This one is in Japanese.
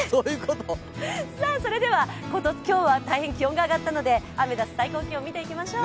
それでは、今日は大変気温が上がったのでアメダス、最高気温見ていきましょう。